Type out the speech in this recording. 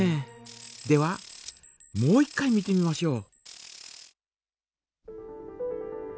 ではもう一回見てみましょう。